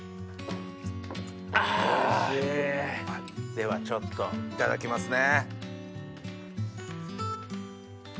ではちょっといただきますね。